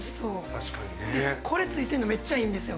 これ付いてんのめっちゃいいんですよ。